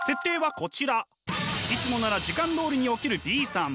いつもなら時間どおりに起きるＢさん。